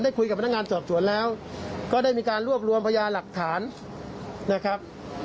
คุยกับพนักงานสอบสวนแล้วก็ได้มีการรวบรวมพยาหลักฐานนะครับ